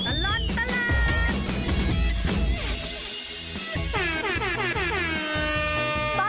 ชั่วตลอดตลาด